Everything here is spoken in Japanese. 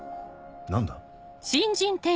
何だ？